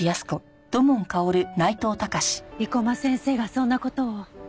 生駒先生がそんな事を。